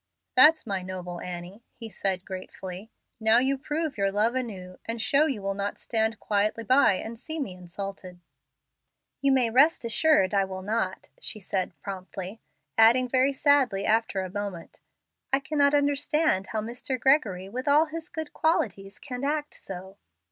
"That's my noble Annie," he said, gratefully. "Now you prove your love anew, and show you will not stand quietly by and see me insulted." "You may rest assured I will not," she said, promptly; adding very sadly after a moment, "I cannot understand how Mr. Gregory, with all his good qualities, can act so."